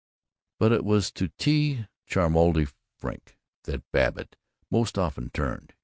But it was to T. Cholmondeley Frink that Babbitt most often turned.